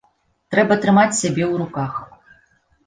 Трэба трымаць сябе ў руках.